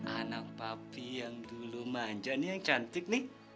anak papi yang dulu manja ini yang cantik nih